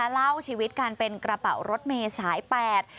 เล่าชีวิตการเป็นกระเป๋ารถเมย์สายแปด